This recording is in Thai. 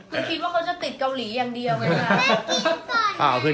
คุณคิดว่าเขาจะติดเกาหลีอย่างเดียวไงคะ